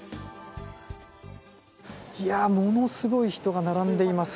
ものすごい人が並んでいます。